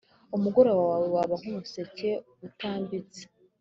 umugoroba wawe waba nk umuseke utambitse